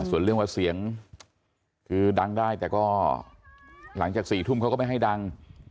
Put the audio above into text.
ส่วนเรื่องว่าเสียงคือดังได้แต่ก็หลังจาก๔ทุ่มเขาก็ไม่ให้ดัง